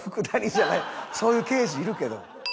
そういう刑事いるけど。